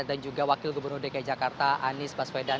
dan juga wakil gubernur dki jakarta anies baswedan